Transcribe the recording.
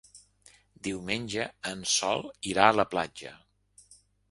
Diumenge en Sol irà a la platja.